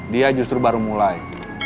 dia justru baru mulai